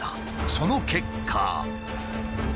その結果。